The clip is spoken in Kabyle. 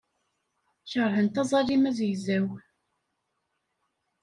Keṛhent aẓalim azegzaw.